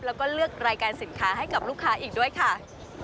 แล้วก็เลือกรายการสินค้าให้กับลูกค้าอีกด้วยค่ะ